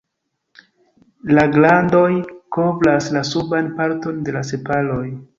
La glandoj kovras la suban parton de la sepaloj.